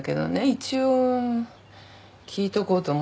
一応聞いとこうと思って。